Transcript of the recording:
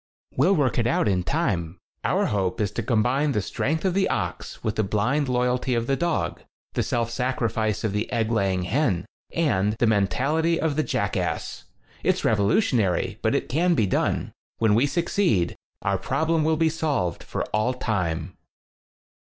"We'll work it out in time. Our hope is to combine the strength of the ox with the blind loyalty of the dog, the self sacrifice of the egg laying hen and the mentality of the jackass. It's revolutionary, but it can be done. When we succeed, our problem will be solved for all time."